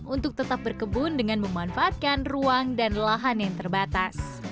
untuk tetap berkebun dengan memanfaatkan ruang dan lahan yang terbatas